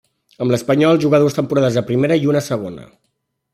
Amb l'Espanyol jugà dues temporades a Primera i una a Segona.